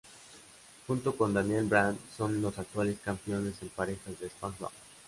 Junto con Daniel Bryan, son los actuales Campeones en Parejas de SmackDown.